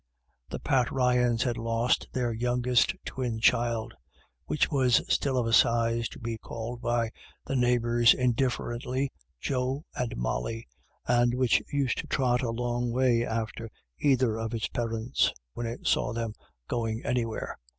The Pat Ryans had lost their youngest twin child, which was still of a size to be called by the neigh bours indifferently " Joe " and " Molly," and which used to trot a long way after either of its parents when it saw them going anywhere.